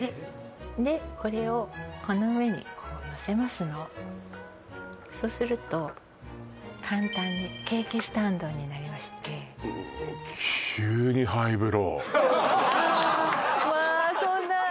でこれをこの上にこう乗せますのそうすると簡単にケーキスタンドになりましてあーまあーそんないえ